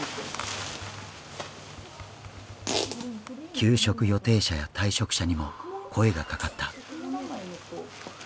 休職予定者や退職者にも声がかかった。